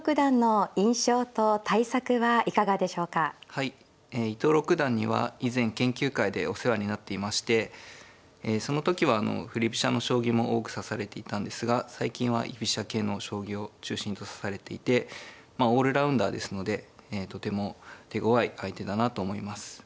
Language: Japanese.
はい伊藤六段には以前研究会でお世話になっていましてその時は振り飛車の将棋も多く指されていたんですが最近は居飛車系の将棋を中心と指されていてオールラウンダーですのでとても手ごわい相手だなと思います。